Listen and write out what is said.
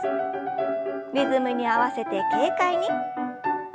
リズムに合わせて軽快に。